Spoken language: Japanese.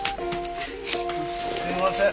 すいません。